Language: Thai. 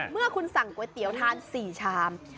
เมื่อคุณสั่งก๋วยเตี๋ยวทาน๔ชาม